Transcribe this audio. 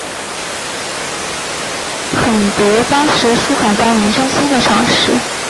很得当时书法家颜真卿的赏识。